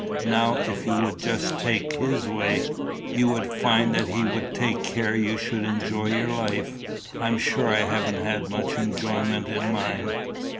Now, if you would just take his way, you would find that he would take care you should enjoy your life." "I'm sure I haven't had much enjoyment in mine."